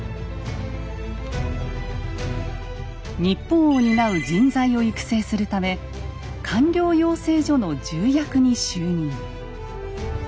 日本を担う人材を育成するため官僚養成所の重役に就任。